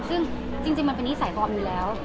ซึ่งจริงมันเป็นนิสัยปลอมอยู่แล้ว